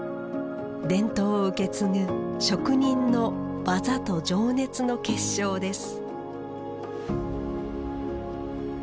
伝統を受け継ぐ職人の技と情熱の結晶です